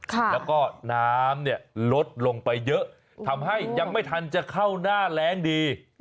แล้วก็น้ำเนี่ยลดลงไปเยอะทำให้ยังไม่ทันจะเข้าหน้าแรงดี